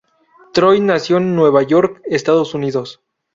Troy nació en Nueva York, Estados Unidos.